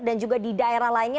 dan juga di daerah lainnya